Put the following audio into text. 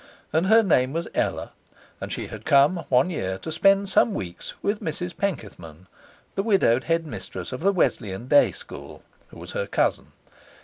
And her name was Ella, and she had come one year to spend some weeks with Mrs Penkethman, the widowed headmistress of the Wesleyan Day School, who was her cousin.